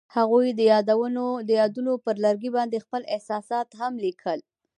هغوی د یادونه پر لرګي باندې خپل احساسات هم لیکل.